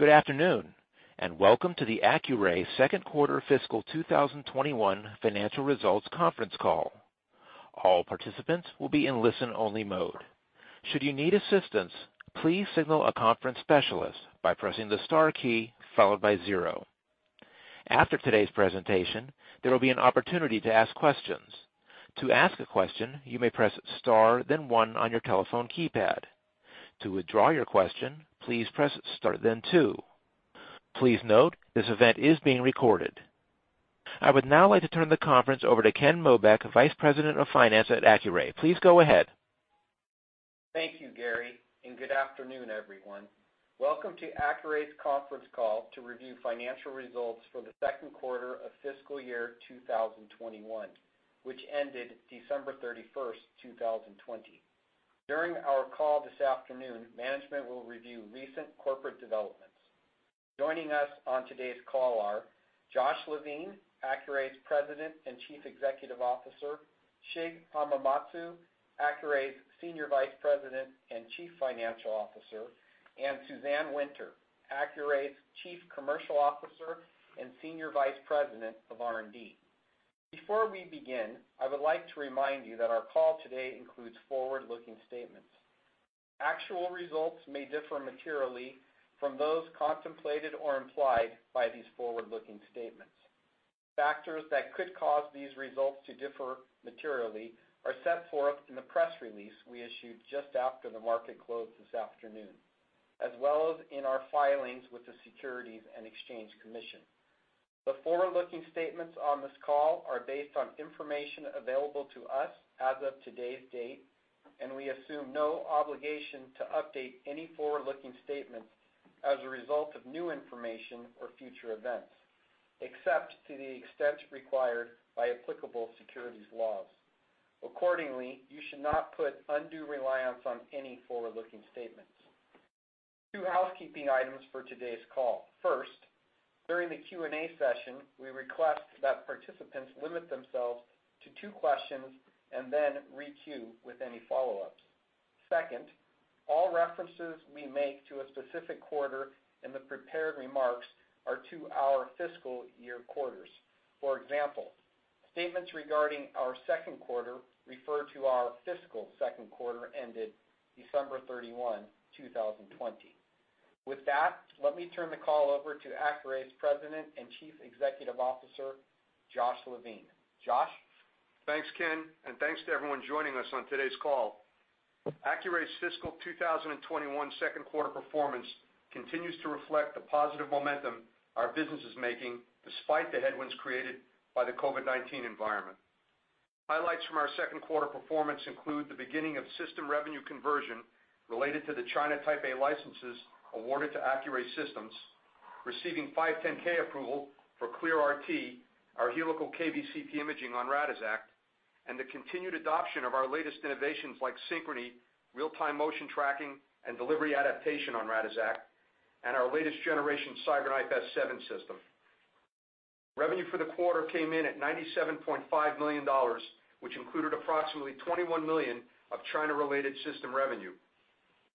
Good afternoon, and welcome to the Accuray second quarter fiscal 2021 financial results conference call. I would now like to turn the conference over to Ken Mobeck, Vice President of Finance at Accuray. Please go ahead. Thank you, Gary. Good afternoon, everyone. Welcome to Accuray's conference call to review financial results for the second quarter of fiscal year 2021, which ended December 31st, 2020. During our call this afternoon, management will review recent corporate developments. Joining us on today's call are Josh Levine, Accuray's President and Chief Executive Officer, Shig Hamamatsu, Accuray's Senior Vice President and Chief Financial Officer, and Suzanne Winter, Accuray's Chief Commercial Officer and Senior Vice President of R&D. Before we begin, I would like to remind you that our call today includes forward-looking statements. Actual results may differ materially from those contemplated or implied by these forward-looking statements. Factors that could cause these results to differ materially are set forth in the press release we issued just after the market closed this afternoon, as well as in our filings with the Securities and Exchange Commission. The forward-looking statements on this call are based on information available to us as of today's date, and we assume no obligation to update any forward-looking statements as a result of new information or future events, except to the extent required by applicable securities laws. Accordingly, you should not put undue reliance on any forward-looking statements. Two housekeeping items for today's call. First, during the Q&A session, we request that participants limit themselves to two questions and then re-queue with any follow-ups. Second, all references we make to a specific quarter in the prepared remarks are to our fiscal year quarters. For example, statements regarding our second quarter refer to our fiscal second quarter ended December 31, 2020. With that, let me turn the call over to Accuray's President and Chief Executive Officer, Josh Levine. Josh? Thanks, Ken, and thanks to everyone joining us on today's call. Accuray's fiscal 2021 second quarter performance continues to reflect the positive momentum our business is making despite the headwinds created by the COVID-19 environment. Highlights from our second quarter performance include the beginning of system revenue conversion related to the China Type A licenses awarded to Accuray Systems, receiving 510 approval for ClearRT, our helical kVCT imaging on Radixact, and the continued adoption of our latest innovations like Synchrony, real-time motion tracking, and delivery adaptation on Radixact, and our latest generation CyberKnife S7 system. Revenue for the quarter came in at $97.5 million, which included approximately $21 million of China-related system revenue.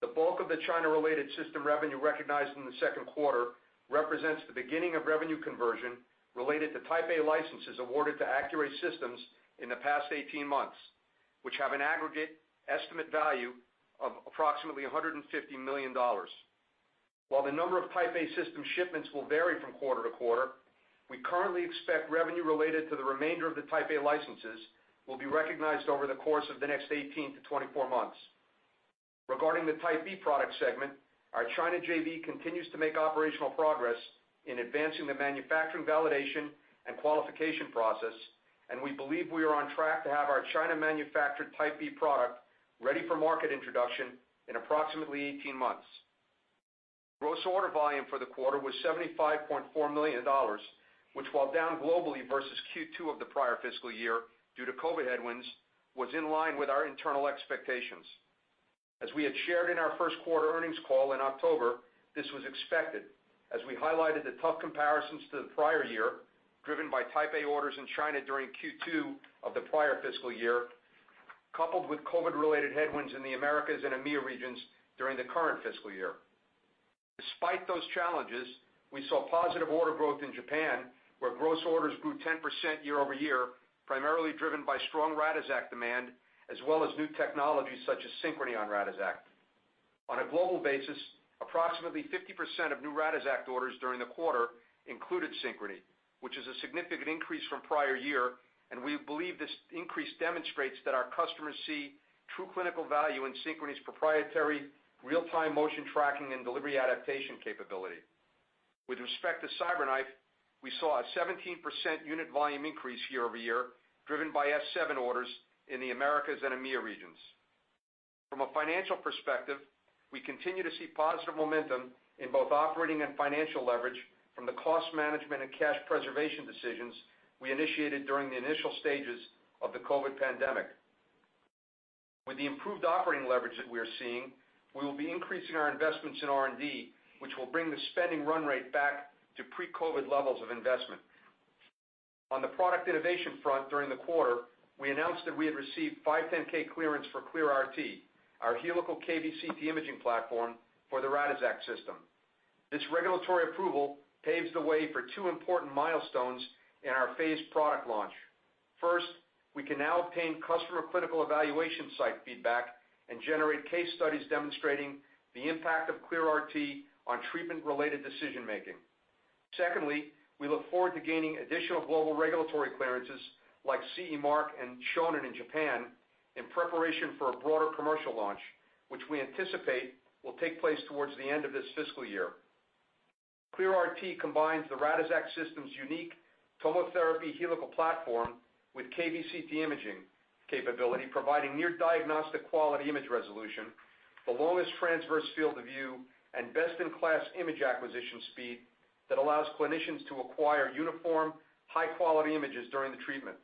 The bulk of the China-related system revenue recognized in the second quarter represents the beginning of revenue conversion related to Type A licenses awarded to Accuray systems in the past 18 months, which have an aggregate estimate value of approximately $150 million. While the number of Type A system shipments will vary from quarter to quarter, we currently expect revenue related to the remainder of the Type A licenses will be recognized over the course of the next 18 to 24 months. Regarding the Type B product segment, our China JV continues to make operational progress in advancing the manufacturing validation and qualification process, and we believe we are on track to have our China manufactured Type B product ready for market introduction in approximately 18 months. Gross order volume for the quarter was $75.4 million, which while down globally versus Q2 of the prior fiscal year due to COVID headwinds, was in line with our internal expectations. As we had shared in our first quarter earnings call in October, this was expected as we highlighted the tough comparisons to the prior year, driven by Type A orders in China during Q2 of the prior fiscal year, coupled with COVID-related headwinds in the Americas and EMEA regions during the current fiscal year. Despite those challenges, we saw positive order growth in Japan, where gross orders grew 10% year-over-year, primarily driven by strong Radixact demand as well as new technologies such as Synchrony on Radixact. On a global basis, approximately 50% of new Radixact orders during the quarter included Synchrony, which is a significant increase from prior year, and we believe this increase demonstrates that our customers see true clinical value in Synchrony's proprietary real-time motion tracking and delivery adaptation capability. With respect to CyberKnife, we saw a 17% unit volume increase year-over-year, driven by S7 orders in the Americas and EMEA regions. From a financial perspective, we continue to see positive momentum in both operating and financial leverage from the cost management and cash preservation decisions we initiated during the initial stages of the COVID pandemic. With the improved operating leverage that we are seeing, we will be increasing our investments in R&D, which will bring the spending run rate back to pre-COVID levels of investment. On the product innovation front during the quarter, we announced that we had received 510 clearance for ClearRT, our helical kVCT imaging platform for the Radixact system. This regulatory approval paves the way for two important milestones in our phased product launch. First, we can now obtain customer critical evaluation site feedback and generate case studies demonstrating the impact of ClearRT on treatment-related decision making. Secondly, we look forward to gaining additional global regulatory clearances like CE marking and Shonin in Japan in preparation for a broader commercial launch, which we anticipate will take place towards the end of this fiscal year. ClearRT combines the Radixact system's unique TomoTherapy helical platform with kVCT imaging capability, providing near diagnostic quality image resolution, the longest transverse field of view, and best-in-class image acquisition speed that allows clinicians to acquire uniform, high-quality images during the treatment.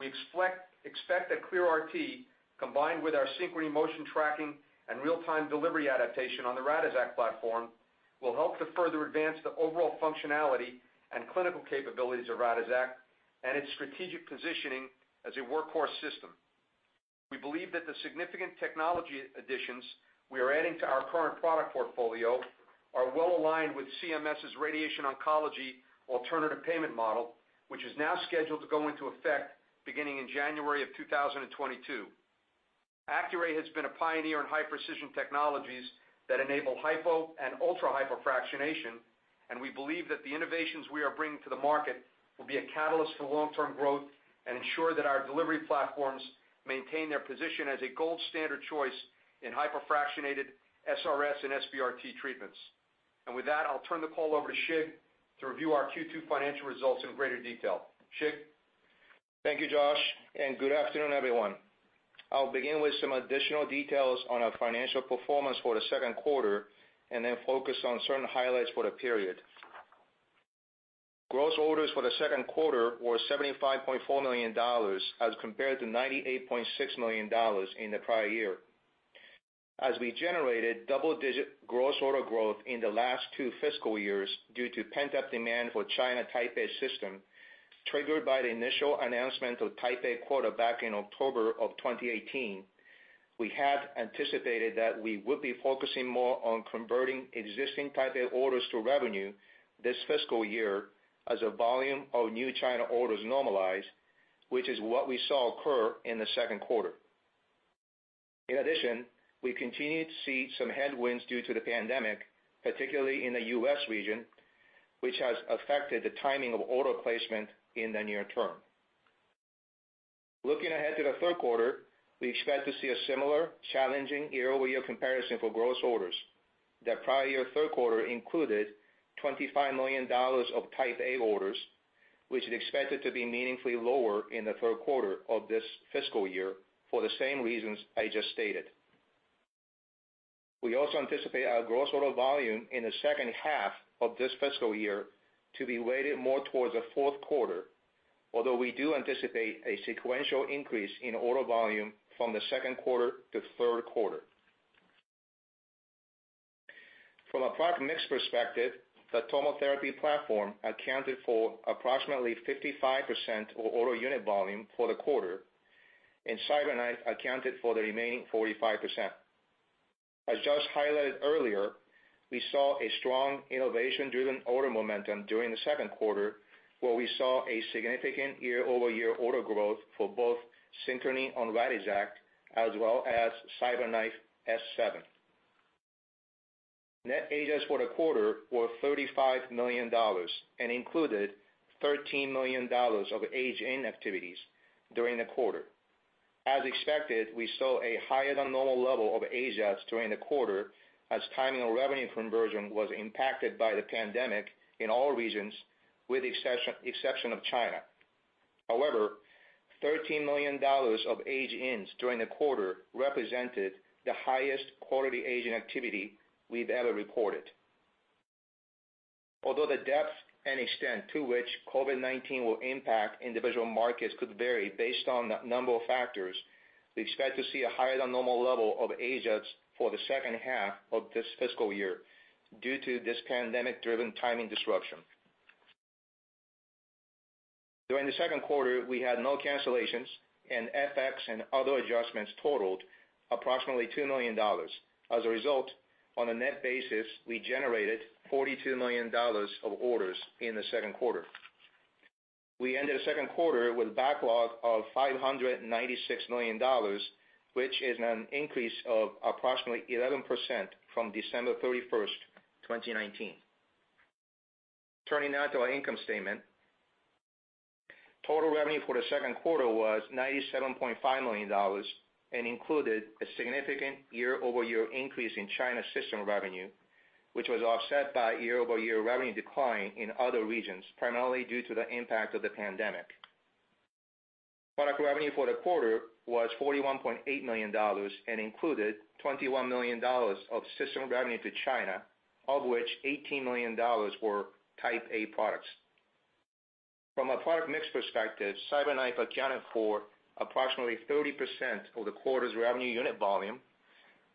We expect that ClearRT, combined with our Synchrony motion tracking and real-time delivery adaptation on the Radixact platform, will help to further advance the overall functionality and clinical capabilities of Radixact and its strategic positioning as a workhorse system. We believe that the significant technology additions we are adding to our current product portfolio are well-aligned with CMS's Radiation Oncology Alternative Payment Model, which is now scheduled to go into effect beginning in January 2022. Accuray has been a pioneer in high-precision technologies that enable hypo and ultra-hypofractionation, and we believe that the innovations we are bringing to the market will be a catalyst for long-term growth and ensure that our delivery platforms maintain their position as a gold standard choice in hypofractionated SRS and SBRT treatments. With that, I'll turn the call over to Shig to review our Q2 financial results in greater detail. Shig? Thank you, Josh, and good afternoon, everyone. I'll begin with some additional details on our financial performance for the second quarter, and then focus on certain highlights for the period. Gross orders for the second quarter were $75.4 million as compared to $98.6 million in the prior year. As we generated double-digit gross order growth in the last two fiscal years due to pent-up demand for China Type A system, triggered by the initial announcement of Type A quota back in October of 2018. We had anticipated that we would be focusing more on converting existing Type A orders to revenue this fiscal year as the volume of new China orders normalize, which is what we saw occur in the second quarter. In addition, we continued to see some headwinds due to the pandemic, particularly in the U.S. region, which has affected the timing of order placement in the near term. Looking ahead to the third quarter, we expect to see a similar challenging year-over-year comparison for gross orders. The prior year third quarter included $25 million of Type A orders, which is expected to be meaningfully lower in the third quarter of this fiscal year for the same reasons I just stated. We also anticipate our gross order volume in the second half of this fiscal year to be weighted more towards the fourth quarter, although we do anticipate a sequential increase in order volume from the second quarter to the third quarter. From a product mix perspective, the TomoTherapy platform accounted for approximately 55% of order unit volume for the quarter, and CyberKnife accounted for the remaining 45%. As Josh highlighted earlier, we saw a strong innovation-driven order momentum during the second quarter, where we saw a significant year-over-year order growth for both Synchrony on Radixact as well as CyberKnife S7. Net ASP for the quarter were $35 million and included $13 million of age-in activities during the quarter. As expected, we saw a higher than normal level of age-ins during the quarter, as timing of revenue conversion was impacted by the pandemic in all regions, with the exception of China. However, $13 million of age-ins during the quarter represented the highest quality age-in activity we've ever reported. Although the depth and extent to which COVID-19 will impact individual markets could vary based on a number of factors, we expect to see a higher than normal level of age-ins for the second half of this fiscal year due to this pandemic-driven timing disruption. During the second quarter, we had no cancellations, and FX and other adjustments totaled approximately $2 million. As a result, on a net basis, we generated $42 million of orders in the second quarter. We ended the second quarter with a backlog of $596 million, which is an increase of approximately 11% from December 31st, 2019. Turning now to our income statement. Total revenue for the second quarter was $97.5 million and included a significant year-over-year increase in China system revenue, which was offset by year-over-year revenue decline in other regions, primarily due to the impact of the pandemic. Product revenue for the quarter was $41.8 million and included $21 million of system revenue to China, of which $18 million were Type A products. From a product mix perspective, CyberKnife accounted for approximately 30% of the quarter's revenue unit volume.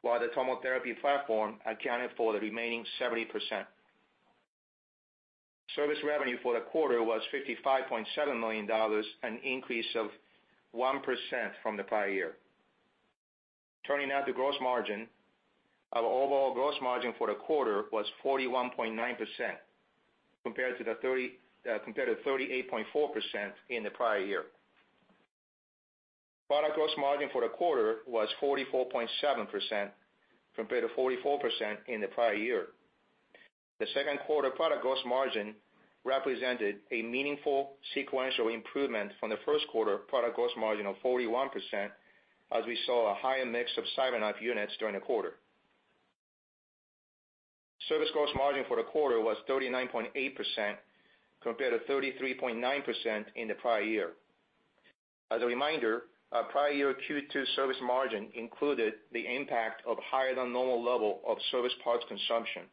While the TomoTherapy platform accounted for the remaining 70%. Service revenue for the quarter was $55.7 million, an increase of 1% from the prior year. Turning now to gross margin, our overall gross margin for the quarter was 41.9%, compared to 38.4% in the prior year. Product gross margin for the quarter was 44.7%, compared to 44% in the prior year. The second quarter product gross margin represented a meaningful sequential improvement from the first quarter product gross margin of 41%, as we saw a higher mix of CyberKnife units during the quarter. Service gross margin for the quarter was 39.8%, compared to 33.9% in the prior year. As a reminder, our prior year Q2 service margin included the impact of higher than normal level of service parts consumption.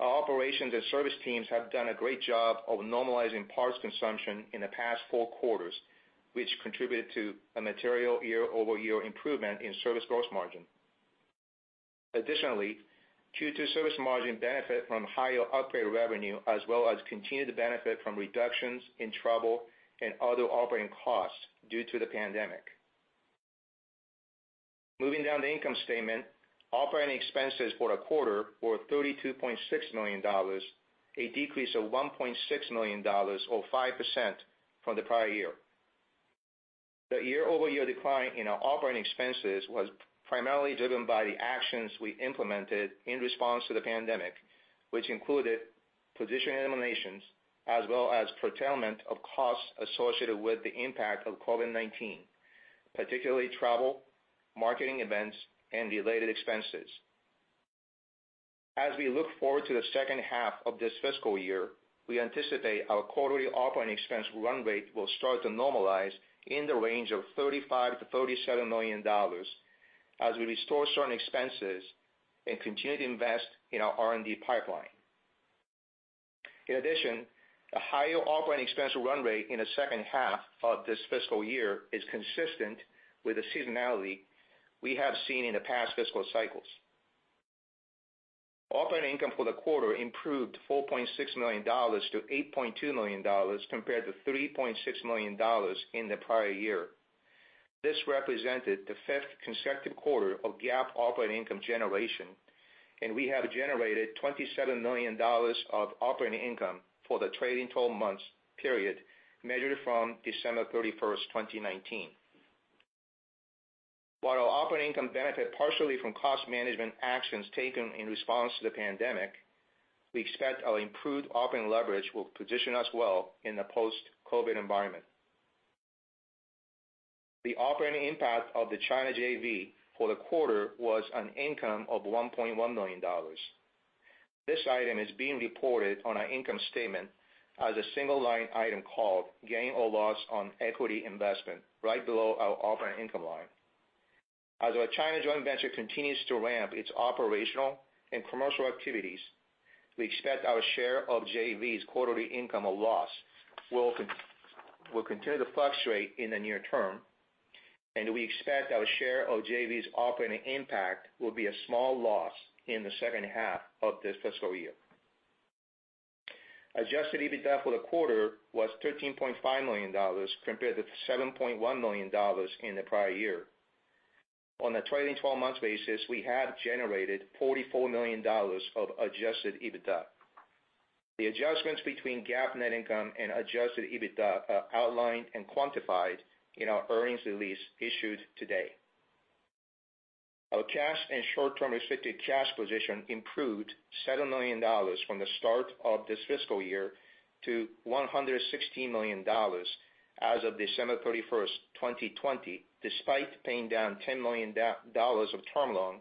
Our operations and service teams have done a great job of normalizing parts consumption in the past four quarters, which contributed to a material year-over-year improvement in service gross margin. Additionally, Q2 service margin benefit from higher upgrade revenue, as well as continued to benefit from reductions in travel and other operating costs due to the pandemic. Moving down the income statement, operating expenses for the quarter were $32.6 million, a decrease of $1.6 million or 5% from the prior year. The year-over-year decline in our operating expenses was primarily driven by the actions we implemented in response to the pandemic, which included position eliminations as well as curtailment of costs associated with the impact of COVID-19, particularly travel, marketing events, and related expenses. As we look forward to the second half of this fiscal year, we anticipate our quarterly operating expense run rate will start to normalize in the range of $35 million-$37 million, as we restore certain expenses and continue to invest in our R&D pipeline. In addition, a higher operating expense run rate in the second half of this fiscal year is consistent with the seasonality we have seen in the past fiscal cycles. Operating income for the quarter improved $4.6 million-$8.2 million compared to $3.6 million in the prior year. This represented the fifth consecutive quarter of GAAP operating income generation, and we have generated $27 million of operating income for the trailing 12 months period measured from December 31st, 2019. While our operating income benefit partially from cost management actions taken in response to the pandemic, we expect our improved operating leverage will position us well in the post-COVID environment. The operating impact of the China JV for the quarter was an income of $1.1 million. This item is being reported on our income statement as a single-line item called gain or loss on equity investment, right below our operating income line. As our China joint venture continues to ramp its operational and commercial activities, we expect our share of JV's quarterly income or loss will continue to fluctuate in the near term, and we expect our share of JV's operating impact will be a small loss in the second half of this fiscal year. adjusted EBITDA for the quarter was $13.5 million compared to $7.1 million in the prior year. On a trailing 12 months basis, we have generated $44 million of adjusted EBITDA. The adjustments between GAAP net income and adjusted EBITDA are outlined and quantified in our earnings release issued today. Our cash and short-term restricted cash position improved $7 million from the start of this fiscal year to $116 million as of December 31st, 2020, despite paying down $10 million of term loan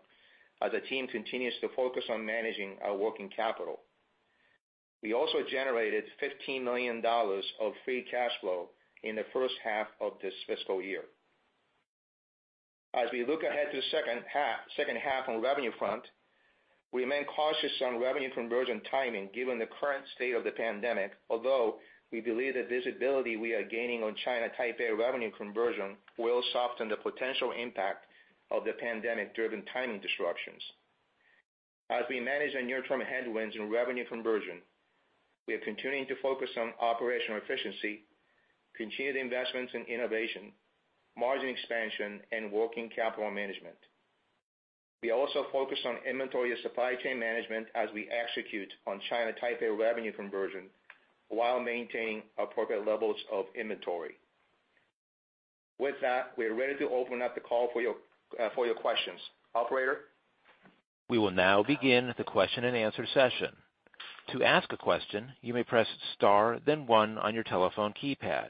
as the team continues to focus on managing our working capital. We also generated $15 million of free cash flow in the first half of this fiscal year. As we look ahead to the second half on revenue front, we remain cautious on revenue conversion timing given the current state of the COVID-19 pandemic, although we believe the visibility we are gaining on China Type A revenue conversion will soften the potential impact of the pandemic-driven timing disruptions. As we manage our near-term headwinds in revenue conversion, we are continuing to focus on operational efficiency, continued investments in innovation, margin expansion, and working capital management. We also focus on inventory and supply chain management as we execute on China Type A revenue conversion while maintaining appropriate levels of inventory. With that, we are ready to open up the call for your questions. Operator? We will now begin the question and answer session. To ask a question, you may press star, then one on your telephone keypad.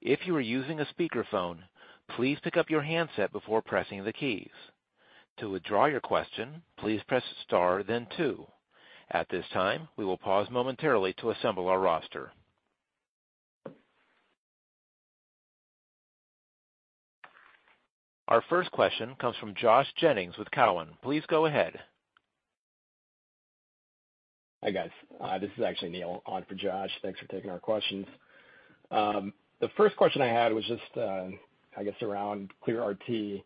If you are using a speakerphone, please pick up your handset before pressing the keys. To withdraw your question, please press st At this time, we will pause momentarily to assemble our roster. Our first question comes from Josh Jennings with Cowen. Please go ahead. Hi guys. This is actually Neil on for Josh. Thanks for taking our questions. The first question I had was just, I guess around ClearRT.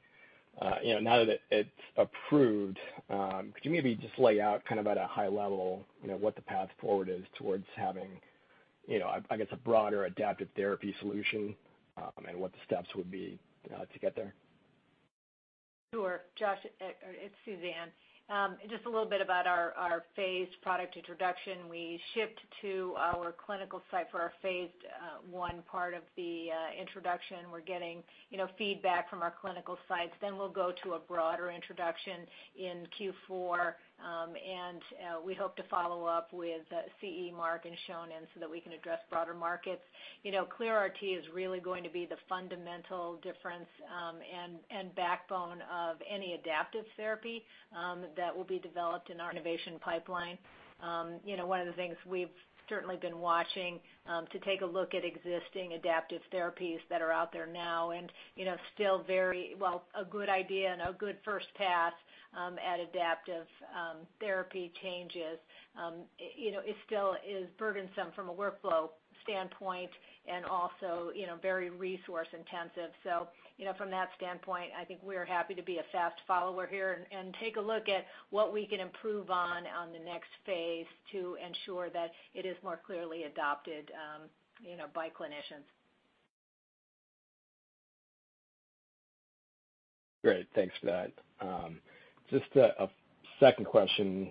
Now that it's approved, could you maybe just lay out at a high level, what the path forward is towards having, I guess, a broader adaptive therapy solution, and what the steps would be to get there? Sure. Josh, it's Suzanne. Just a little bit about our phased product introduction. We shipped to our clinical site for our phased 1 part of the introduction. We're getting feedback from our clinical sites. We'll go to a broader introduction in Q4. We hope to follow up with CE marking and Shonin so that we can address broader markets. ClearRT is really going to be the fundamental difference, and backbone of any adaptive therapy that will be developed in our innovation pipeline. One of the things we've certainly been watching to take a look at existing adaptive therapies that are out there now, and still very, well, a good idea and a good first pass at adaptive therapy changes. It still is burdensome from a workflow standpoint and also very resource intensive. From that standpoint, I think we're happy to be a fast follower here and take a look at what we can improve on the next phase to ensure that it is more clearly adopted by clinicians. Great. Thanks for that. Just a second question.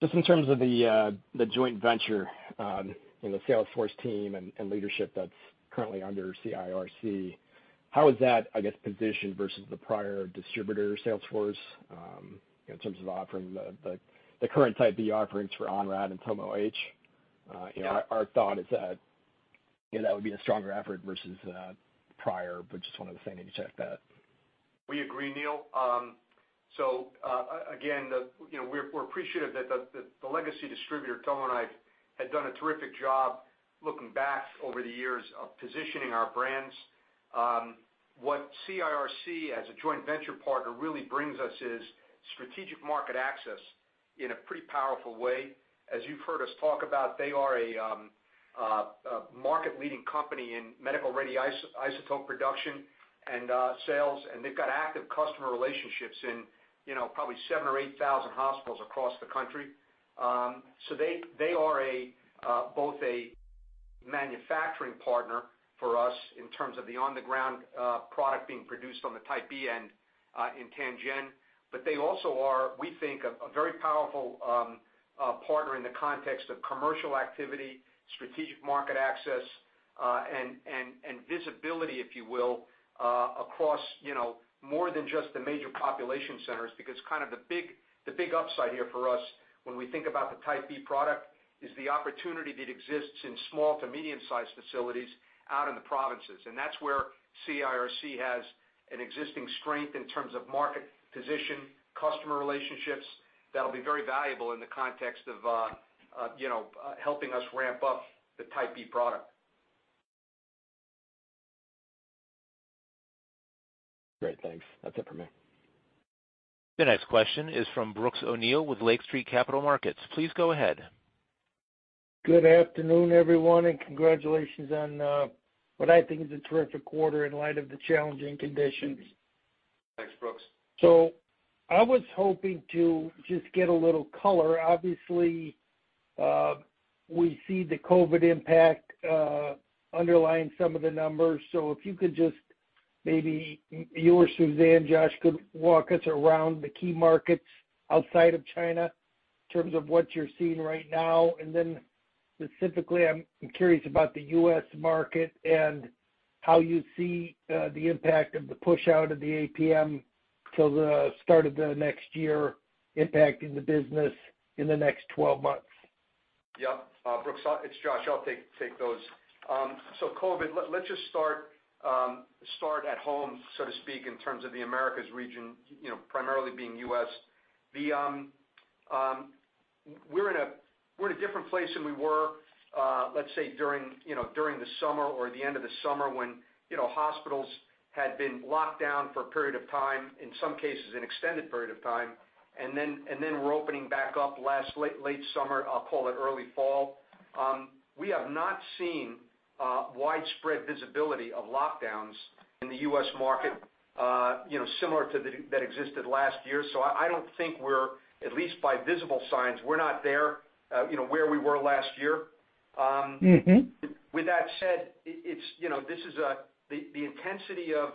Just in terms of the joint venture in the sales force team and leadership that's currently under CIRC, how is that, I guess, positioned versus the prior distributor sales force, in terms of offering the current Type B offerings for Onrad and TomoH? Our thought is that would be a stronger effort versus prior, but just wanted to see if you could check that. We agree, Neil. Again, we're appreciative that the legacy distributor, TomoKnife, had done a terrific job looking back over the years of positioning our brands. What CIRC as a joint venture partner really brings us is strategic market access in a pretty powerful way. As you've heard us talk about, they are a market-leading company in medical radioisotope production and sales, and they've got active customer relationships in probably 7,000 or 8,000 hospitals across the country. They are both a manufacturing partner for us in terms of the on-the-ground product being produced on the Type B end in Tianjin. They also are, we think, a very powerful partner in the context of commercial activity, strategic market access, and visibility, if you will, across more than just the major population centers. The big upside here for us when we think about the Type B product is the opportunity that exists in small to medium-sized facilities out in the provinces. That's where CIRC has an existing strength in terms of market position, customer relationships that'll be very valuable in the context of helping us ramp up the Type B product. Great. Thanks. That's it for me. The next question is from Brooks O'Neil with Lake Street Capital Markets. Please go ahead. Good afternoon, everyone, and congratulations on what I think is a terrific quarter in light of the challenging conditions. Thanks, Brooks. I was hoping to just get a little color. Obviously, we see the COVID impact underlying some of the numbers. If you could just maybe you or Suzanne, Josh, could walk us around the key markets outside of China in terms of what you're seeing right now. Specifically, I'm curious about the U.S. market and how you see the impact of the push out of the APM till the start of the next year impacting the business in the next 12 months. Yep. Brooks, it's Josh. I'll take those. COVID, let's just start at home, so to speak, in terms of the Americas region primarily being U.S. We're in a different place than we were let's say during the summer or the end of the summer when hospitals had been locked down for a period of time, in some cases an extended period of time. We're opening back up late summer, I'll call it early fall. We have not seen widespread visibility of lockdowns in the U.S. market similar to that existed last year. I don't think we're, at least by visible signs, we're not there where we were last year. With that said, the intensity of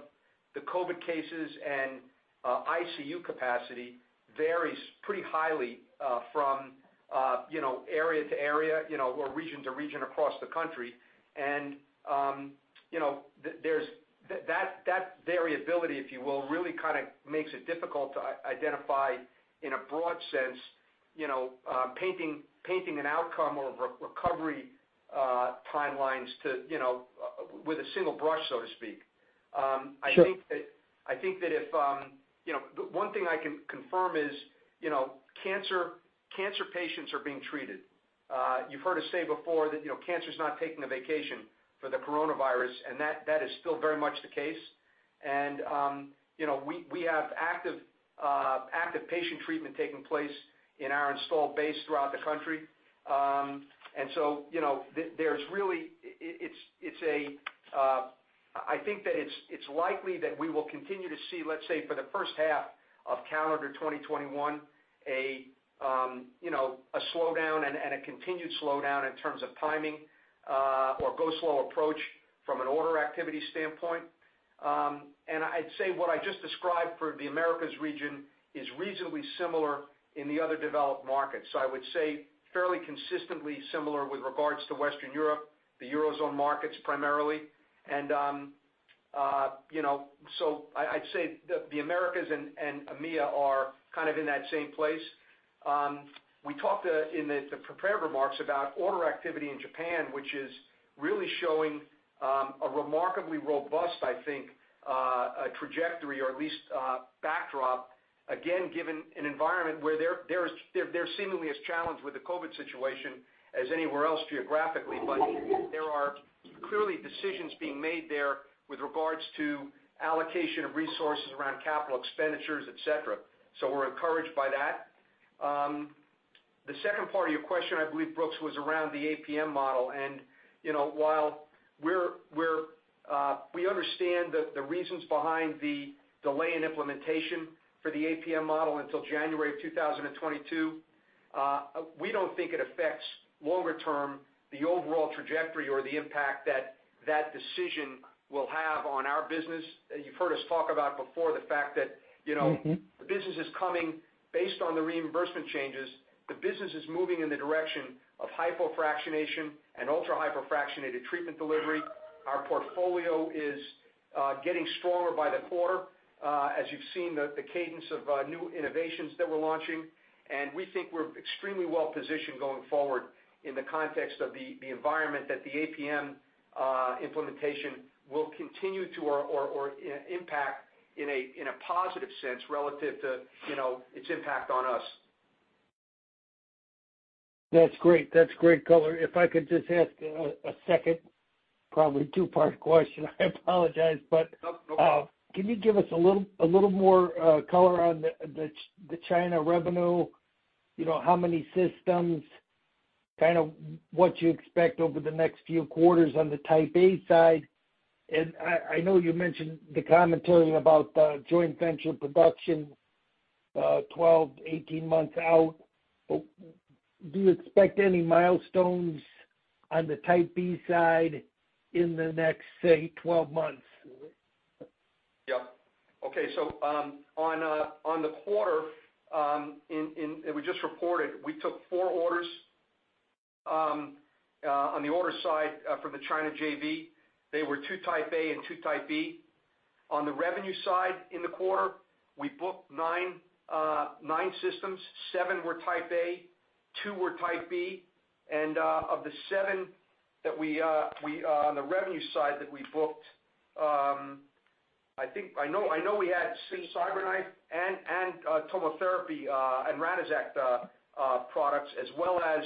the COVID cases and ICU capacity varies pretty highly from area to area or region to region across the country. That variability, if you will, really makes it difficult to identify in a broad sense, painting an outcome or recovery timelines with a single brush, so to speak. Sure. One thing I can confirm is cancer patients are being treated. You've heard us say before that cancer's not taking a vacation for the coronavirus, and that is still very much the case. We have active patient treatment taking place in our installed base throughout the country. I think that it's likely that we will continue to see, let's say, for the first half of calendar 2021, a slowdown and a continued slowdown in terms of timing or go slow approach from an order activity standpoint. I'd say what I just described for the Americas region is reasonably similar in the other developed markets. I would say fairly consistently similar with regards to Western Europe, the Eurozone markets primarily. I'd say the Americas and EMEA are kind of in that same place. We talked in the prepared remarks about order activity in Japan, which is really showing a remarkably robust, I think, trajectory or at least backdrop, again, given an environment where they're seemingly as challenged with the COVID-19 situation as anywhere else geographically. There are clearly decisions being made there with regards to allocation of resources around capital expenditures, et cetera. We're encouraged by that. The second part of your question, I believe, Brooks, was around the APM Model. While we understand the reasons behind the delay in implementation for the APM Model until January of 2022, we don't think it affects longer term the overall trajectory or the impact that that decision will have on our business. You've heard us talk about before the fact that the business is coming based on the reimbursement changes. The business is moving in the direction of hypofractionation and ultra-hypofractionated treatment delivery. Our portfolio is getting stronger by the quarter as you've seen the cadence of new innovations that we're launching, and we think we're extremely well-positioned going forward in the context of the environment that the APM implementation will continue to or impact in a positive sense relative to its impact on us. That's great color. If I could just ask a second, probably two-part question, I apologize. No. Can you give us a little more color on the China revenue, how many systems, kind of what you expect over the next few quarters on the Type A side? I know you mentioned the commentary about the joint venture production 12, 18 months out, but do you expect any milestones on the Type B side in the next, say, 12 months? Yep. Okay. On the quarter, and we just reported, we took four orders on the order side for the China JV. They were 2 Type A and 2 Type B. On the revenue side in the quarter, we booked nine systems. 7 were Type A, 2 were Type B, and of the seven on the revenue side that we booked, I know we had CyberKnife and TomoTherapy and Radixact products, as well as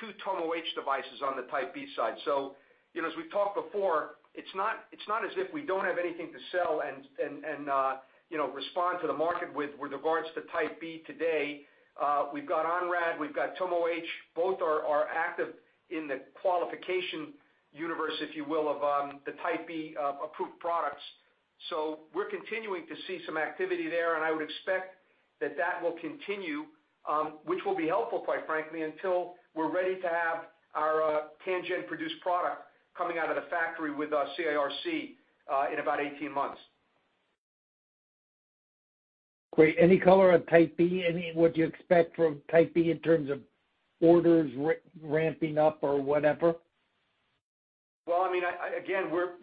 two TomoH devices on the Type B side. As we've talked before, it's not as if we don't have anything to sell and respond to the market with regards to Type B today. We've got Onrad, we've got TomoH. Both are active in the qualification universe, if you will, of the Type B approved products. We're continuing to see some activity there, and I would expect that that will continue, which will be helpful, quite frankly, until we're ready to have our Tianjin-produced product coming out of the factory with our CIRC in about 18 months. Great. Any color on Type B? What do you expect from Type B in terms of orders ramping up or whatever? Again, we're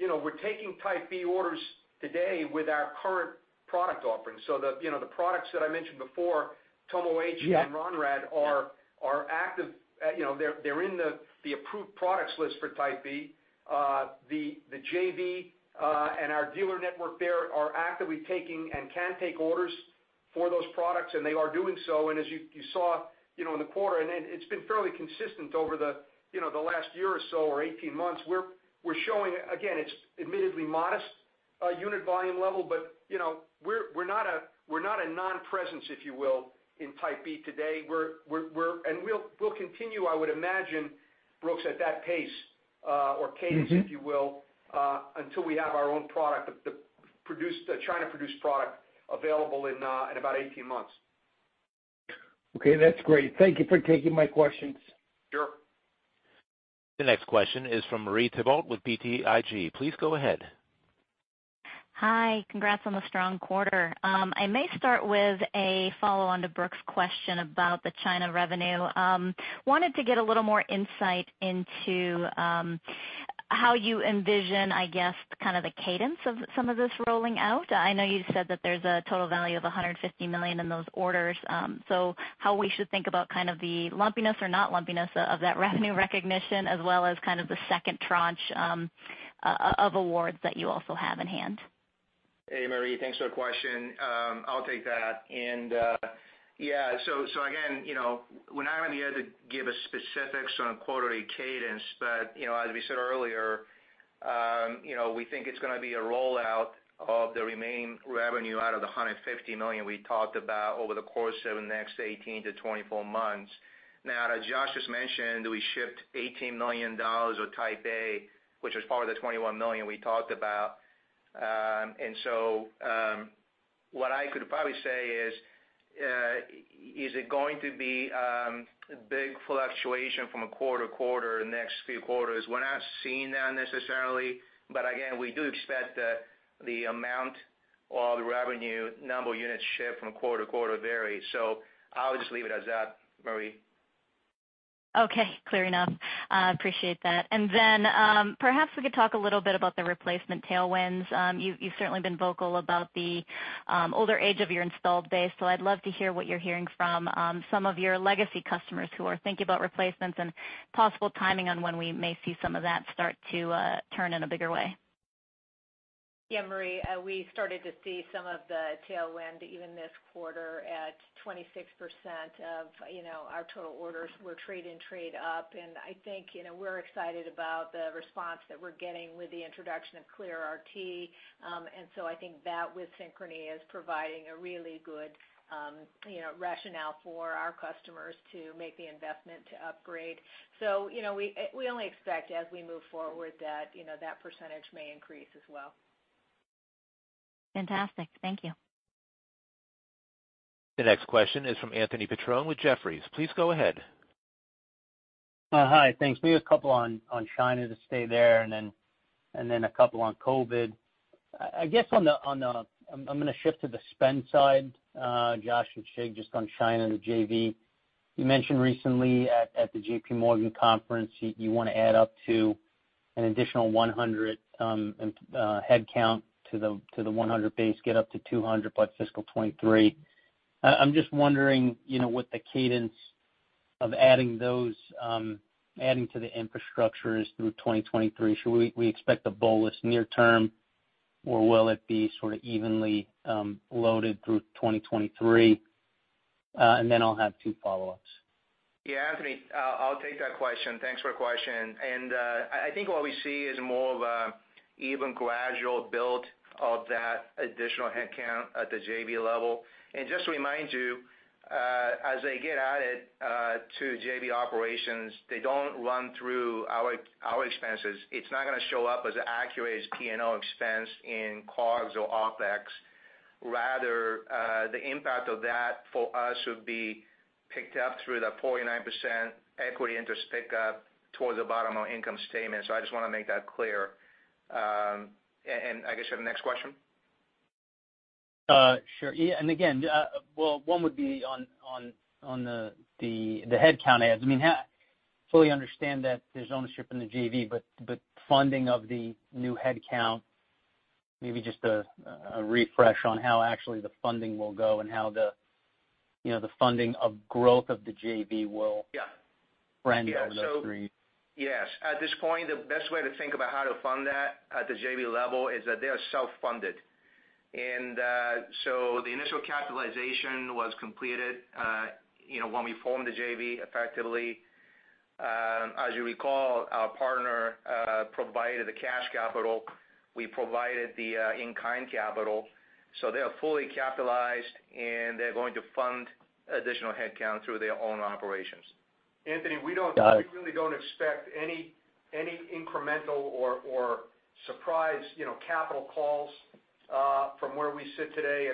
taking Type B orders today with our current product offerings. The products that I mentioned before, TomoH and Onrad, they're in the approved products list for Type B. The JV and our dealer network there are actively taking and can take orders for those products, and they are doing so. As you saw in the quarter, and it's been fairly consistent over the last year or so or 18 months, we're showing, again, it's admittedly modest unit volume level, but we're not a non-presence, if you will, in Type B today. We'll continue, I would imagine, Brooks, at that pace or cadence, if you will, until we have our own product, the China-produced product available in about 18 months. Okay. That's great. Thank you for taking my questions. Sure. The next question is from Marie Thibault with BTIG. Please go ahead. Hi. Congrats on the strong quarter. I may start with a follow-on to Brooks' question about the China revenue. Wanted to get a little more insight into how you envision, I guess, kind of the cadence of some of this rolling out. I know you said that there's a total value of $150 million in those orders. How we should think about kind of the lumpiness or not lumpiness of that revenue recognition as well as kind of the second tranche of awards that you also have in hand? Hey, Marie. Thanks for the question. I'll take that. Yeah, again, we're not on the air to give a specifics on quarterly cadence. As we said earlier we think it's going to be a rollout of the remaining revenue out of the $150 million we talked about over the course of the next 18-24 months. As Josh just mentioned, we shipped $18 million of Type A, which is part of the $21 million we talked about. What I could probably say is it going to be a big fluctuation from a quarter to quarter in the next few quarters? We're not seeing that necessarily, but again, we do expect the amount or the revenue number units shipped from quarter to quarter to vary. I'll just leave it as that, Marie. Okay, clear enough. I appreciate that. Perhaps we could talk a little bit about the replacement tailwinds. You've certainly been vocal about the older age of your installed base, so I'd love to hear what you're hearing from some of your legacy customers who are thinking about replacements and possible timing on when we may see some of that start to turn in a bigger way. Yeah, Marie, we started to see some of the tailwind even this quarter at 26% of our total orders were trade and trade up. I think we're excited about the response that we're getting with the introduction of ClearRT. I think that with Synchrony is providing a really good rationale for our customers to make the investment to upgrade. We only expect as we move forward that that percentage may increase as well. Fantastic. Thank you. The next question is from Anthony Petrone with Jefferies. Please go ahead. Hi. Thanks. Maybe a couple on China to stay there, then a couple on COVID. I guess I'm going to shift to the spend side, Josh and Shig, just on China, the JV. You mentioned recently at the JP Morgan conference you want to add up to an additional 100 headcount to the 100 base, get up to 200 by FY 2023. I'm just wondering what the cadence of adding to the infrastructure is through 2023. Should we expect a bolus near term, or will it be sort of evenly loaded through 2023? Then I'll have two follow-ups. Yeah, Anthony, I'll take that question. Thanks for the question. I think what we see is more of an even gradual build of that additional headcount at the JV level. Just to remind you, as they get added to JV operations, they don't run through our expenses. It's not going to show up as Accuray's P&L expense in COGS or OpEx. Rather, the impact of that for us would be picked up through the 49% equity interest pickup towards the bottom of our income statement. I just want to make that clear. I guess the next question? Sure. Yeah. Well, one would be on the headcount adds. I fully understand that there's ownership in the JV, but funding of the new headcount, maybe just a refresh on how actually the funding will go and how the funding of growth of the JV. Yeah. Trend over those three. Yes. At this point, the best way to think about how to fund that at the JV level is that they are self-funded. The initial capitalization was completed when we formed the JV, effectively. As you recall, our partner provided the cash capital. We provided the in-kind capital. They are fully capitalized, and they're going to fund additional headcount through their own operations. Anthony, we really don't expect any incremental or surprise capital calls from where we sit today.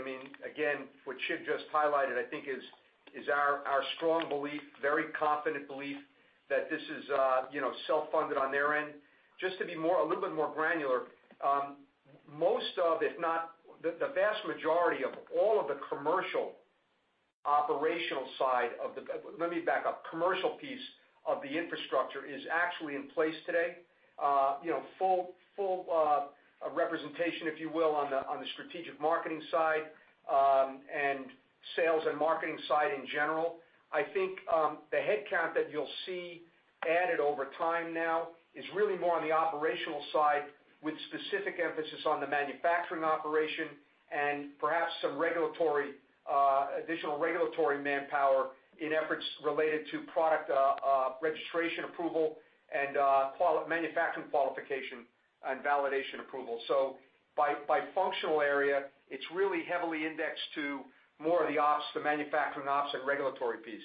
Again, what Shig just highlighted, I think is our strong belief, very confident belief, that this is self-funded on their end. Just to be a little bit more granular, the commercial piece of the infrastructure is actually in place today. Full representation, if you will, on the strategic marketing side and sales and marketing side in general. I think the headcount that you'll see added over time now is really more on the operational side with specific emphasis on the manufacturing operation and perhaps some additional regulatory manpower in efforts related to product registration approval and manufacturing qualification and validation approval. By functional area, it's really heavily indexed to more of the ops, the manufacturing ops and regulatory piece.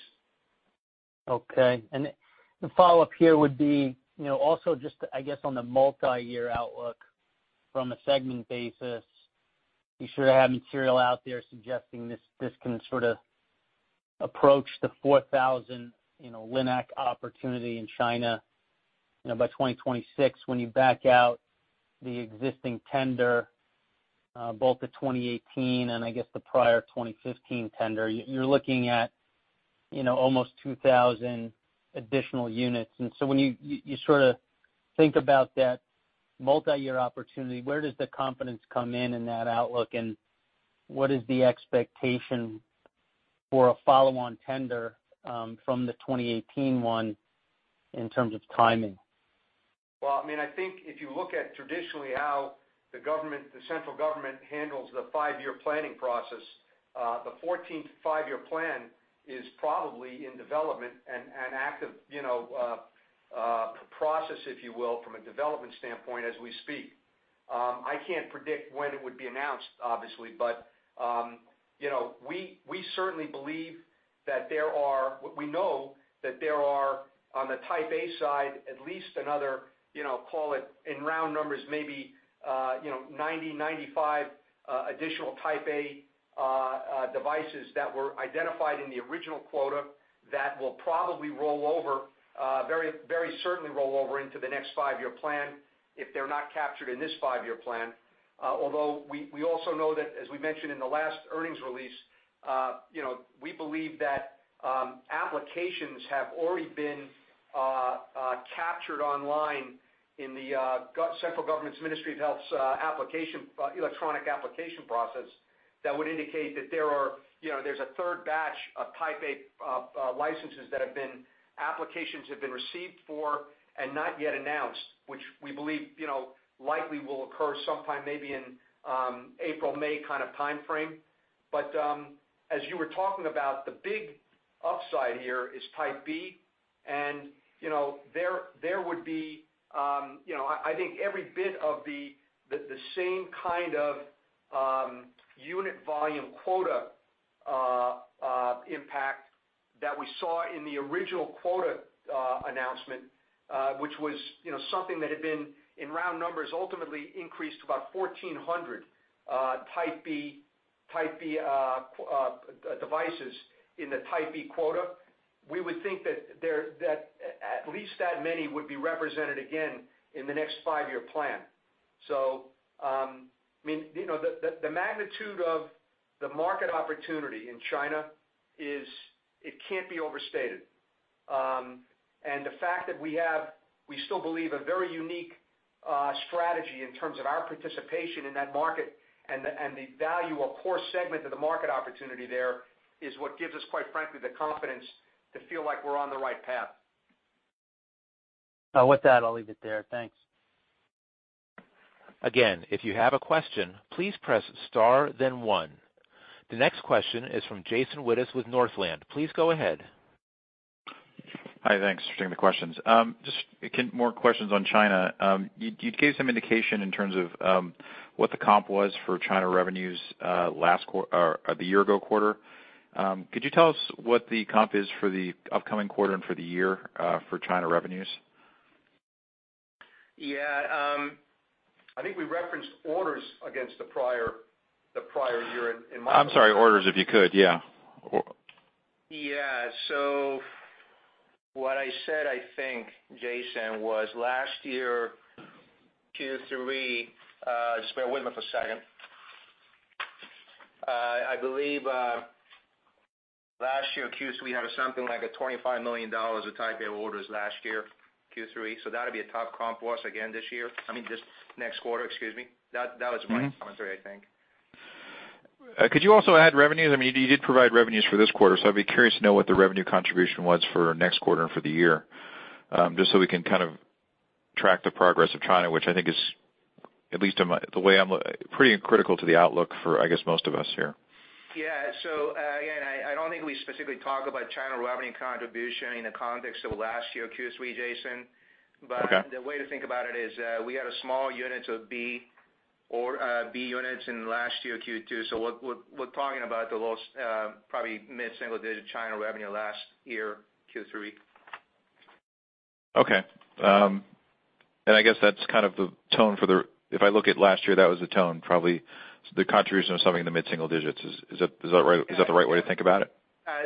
Okay. The follow-up here would be, also just I guess on the multi-year outlook from a segment basis, you sort of have material out there suggesting this can sort of approach the 4,000 LINAC opportunity in China by 2026. When you back out the existing tender, both the 2018 and I guess the prior 2015 tender, you're looking at almost 2,000 additional units. When you sort of think about that multi-year opportunity, where does the confidence come in in that outlook, and what is the expectation for a follow-on tender from the 2018 one in terms of timing? Well, I think if you look at traditionally how the central government handles the five-year planning process. The 14th five-year plan is probably in development and active process, if you will, from a development standpoint as we speak. I can't predict when it would be announced, obviously, but we know that there are, on the Type A side, at least another, call it in round numbers, maybe 90, 95 additional Type A devices that were identified in the original quota that will very certainly roll over into the next five-year plan if they're not captured in this five-year plan. Although we also know that, as we mentioned in the last earnings release, we believe that applications have already been captured online in the central government's Ministry of Health's electronic application process that would indicate that there's a third batch of Type A licenses that applications have been received for and not yet announced, which we believe likely will occur sometime maybe in April, May kind of timeframe. As you were talking about, the big upside here is Type B, and there would be, I think every bit of the same kind of unit volume quota impact that we saw in the original quota announcement, which was something that had been, in round numbers, ultimately increased to about 1,400 Type B devices in the Type B quota. We would think that at least that many would be represented again in the next 5-year plan. The magnitude of the market opportunity in China, it can't be overstated. The fact that we have, we still believe, a very unique strategy in terms of our participation in that market and the value, a core segment of the market opportunity there is what gives us, quite frankly, the confidence to feel like we're on the right path. With that, I'll leave it there. Thanks. The next question is from Jason Wittes with Northland. Please go ahead. Hi, thanks for taking the questions. Just more questions on China. You gave some indication in terms of what the comp was for China revenues the year ago quarter. Could you tell us what the comp is for the upcoming quarter and for the year for China revenues? Yeah. I think we referenced orders against the prior year. I'm sorry, orders, if you could, yeah. Yeah. What I said, I think, Jason, was last year, Q3. Just bear with me for a second. I believe, last year, Q3, we had something like a $25 million of Type A orders last year, Q3. That'll be a top comp for us again this year. I mean, this next quarter, excuse me. That was my commentary, I think. Could you also add revenues? You did provide revenues for this quarter, so I'd be curious to know what the revenue contribution was for next quarter and for the year, just so we can kind of track the progress of China, which I think is pretty critical to the outlook for, I guess, most of us here. Yeah. Again, I don't think we specifically talk about China revenue contribution in the context of last year, Q3, Jason. Okay. The way to think about it is we had a small units of B or B units in last year, Q2. We're talking about the lost probably mid-single digit China revenue last year, Q3. Okay. I guess if I look at last year, that was the tone, probably the contribution of something in the mid-single digits. Is that the right way to think about it?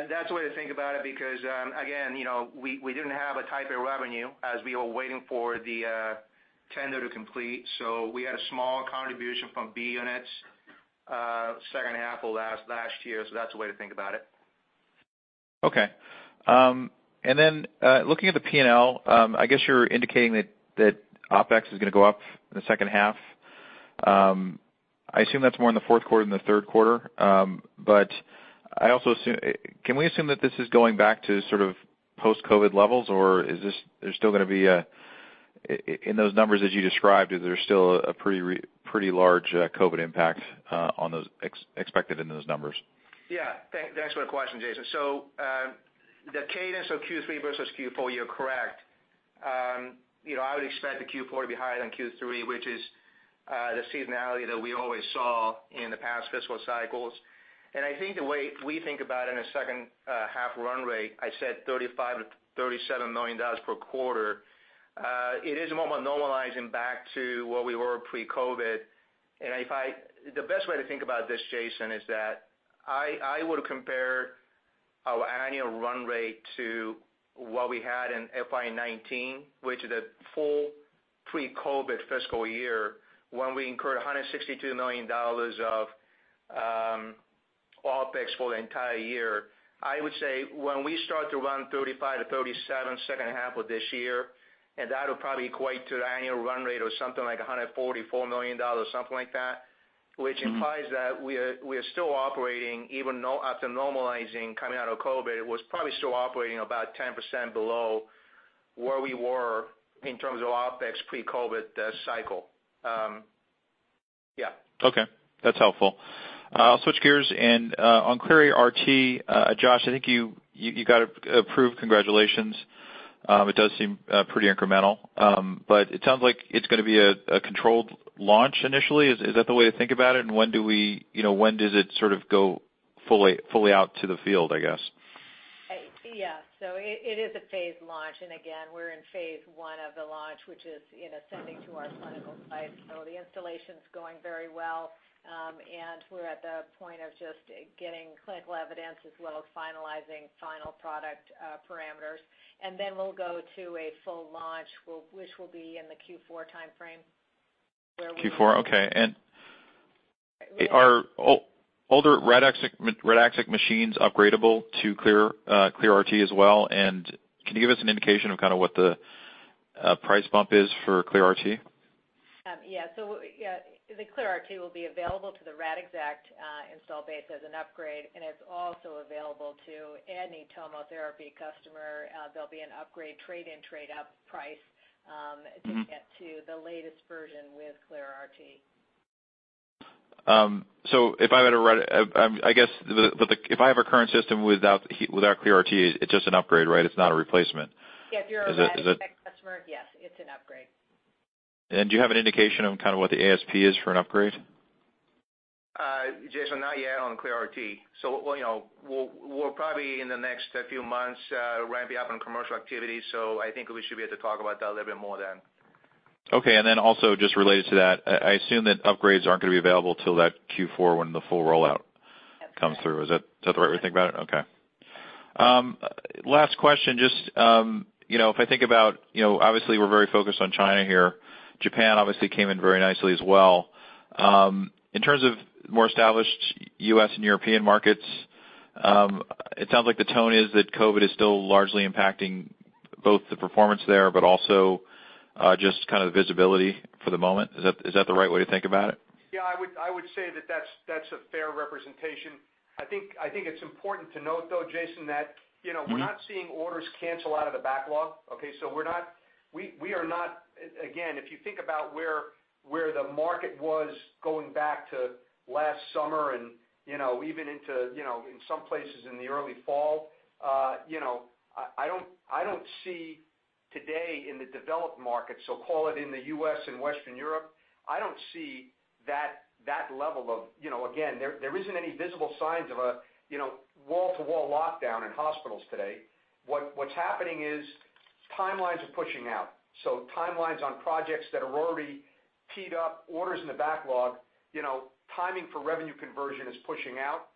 That's the way to think about it, because, again we didn't have a Type A revenue as we were waiting for the tender to complete. We had a small contribution from B units second half of last year. That's the way to think about it. Okay. Looking at the P&L, I guess you're indicating that OpEx is going to go up in the second half. I assume that's more in the fourth quarter than the third quarter. Can we assume that this is going back to sort of post-COVID levels, or in those numbers as you described, is there still a pretty large COVID impact expected in those numbers? Thanks for the question, Jason. The cadence of Q3 versus Q4, you're correct. I would expect the Q4 to be higher than Q3, which is the seasonality that we always saw in the past fiscal cycles. I think the way we think about it in a second half run rate, I said $35 million-$37 million per quarter. It is more normalizing back to where we were pre-COVID. The best way to think about this, Jason, is that I would compare our annual run rate to what we had in FY 2019, which is a full pre-COVID fiscal year, when we incurred $162 million of OpEx for the entire year. I would say when we start to run 35-37 second half of this year, and that'll probably equate to the annual run rate of something like $144 million, something like that, which implies that we are still operating even after normalizing coming out of COVID, was probably still operating about 10% below where we were in terms of OpEx pre-COVID cycle. Yeah. Okay, that's helpful. I'll switch gears. On ClearRT, Josh, I think you got approved. Congratulations. It does seem pretty incremental. It sounds like it's going to be a controlled launch initially. Is that the way to think about it? When does it sort of go fully out to the field, I guess? Yeah. It is a phased launch. Again, we're in phase 1 of the launch, which is sending to our clinical site. The installation's going very well, and we're at the point of just getting clinical evidence, as well as finalizing final product parameters. Then we'll go to a full launch, which will be in the Q4 timeframe, where we. Q4, okay. Are older Radixact machines upgradeable to ClearRT as well? Can you give us an indication of kind of what the price bump is for ClearRT? Yeah. The ClearRT will be available to the Radixact install base as an upgrade, and it's also available to any TomoTherapy customer. There'll be an upgrade trade-in, trade-up price to get to the latest version with ClearRT. I guess, if I have a current system without ClearRT, it's just an upgrade, right? It's not a replacement. If you're a Radixact customer, yes, it's an upgrade. Do you have an indication of kind of what the ASP is for an upgrade? Jason, not yet on ClearRT. We'll probably, in the next few months, ramp up on commercial activity. I think we should be able to talk about that a little bit more then. Okay, also just related to that, I assume that upgrades aren't going to be available till that Q4 when the full rollout comes through. That's correct. Is that the right way to think about it? Okay. Last question, if I think about, obviously, we're very focused on China here. Japan obviously came in very nicely as well. In terms of more established U.S. and European markets, it sounds like the tone is that COVID is still largely impacting both the performance there, but also just kind of the visibility for the moment. Is that the right way to think about it? Yeah, I would say that that's a fair representation. I think it's important to note, though, Jason, that we're not seeing orders cancel out of the backlog. Again, if you think about where the market was going back to last summer, and even in some places in the early fall, I don't see today in the developed market, so call it in the U.S. and Western Europe, there isn't any visible signs of a wall-to-wall lockdown in hospitals today. What's happening is timelines are pushing out. Timelines on projects that are already teed up, orders in the backlog, timing for revenue conversion is pushing out.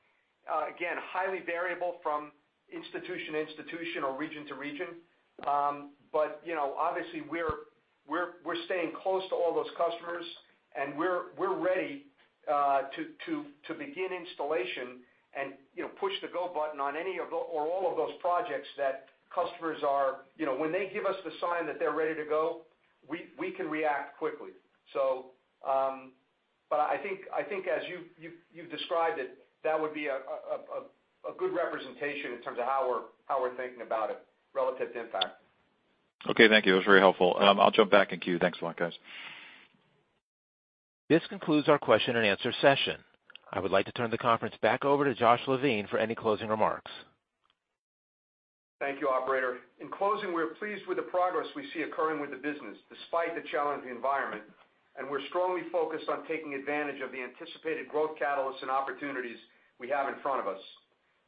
Again, highly variable from institution to institution or region to region. Obviously, we're staying close to all those customers, and we're ready to begin installation and push the go button on any of, or all of those projects When they give us the sign that they're ready to go, we can react quickly. I think as you've described it, that would be a good representation in terms of how we're thinking about it relative to impact. Okay, thank you. That was very helpful, and I'll jump back in queue. Thanks a lot, guys. This concludes our question and answer session. I would like to turn the conference back over to Josh Levine for any closing remarks. Thank you, operator. In closing, we are pleased with the progress we see occurring with the business despite the challenging environment, and we're strongly focused on taking advantage of the anticipated growth catalysts and opportunities we have in front of us.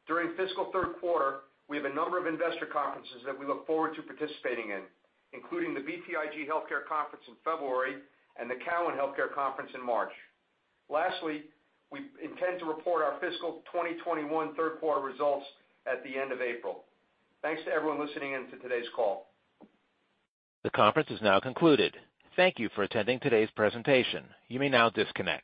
During fiscal third quarter, we have a number of investor conferences that we look forward to participating in, including the BTIG Healthcare Conference in February and the Cowen Healthcare Conference in March. Lastly, we intend to report our fiscal 2021 third-quarter results at the end of April. Thanks to everyone listening in to today's call. The conference is now concluded. Thank you for attending today's presentation. You may now disconnect.